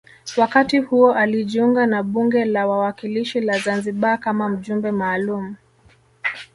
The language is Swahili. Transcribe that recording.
Wakati huo alijiunga na bunge la wawakilishi la Zanzibar kama mjumbe maalum